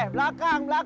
eh belakang belakang